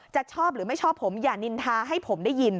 ชอบหรือไม่ชอบผมอย่านินทาให้ผมได้ยิน